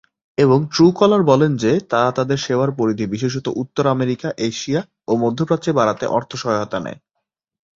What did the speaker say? এবং Truecaller বলেন যে, তারা তাদের সেবার পরিধি বিশেষত উত্তর আমেরিকা, এশিয়া ও মধ্যপ্রাচ্যে বাড়াতে অর্থ সহায়তা নেয়।